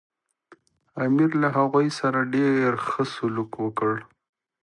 امیر له هغوی سره ډېر ښه سلوک وکړ.